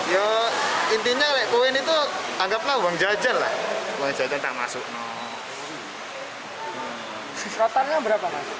ya intinya koin itu anggaplah uang jajan lah uang jajan tak masuk